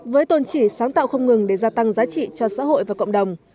với tôn chỉ sáng tạo không ngừng để gia tăng giá trị cho xã hội và cộng đồng